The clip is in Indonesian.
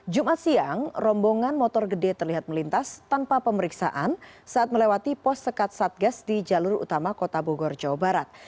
jumat siang rombongan motor gede terlihat melintas tanpa pemeriksaan saat melewati pos sekat satgas di jalur utama kota bogor jawa barat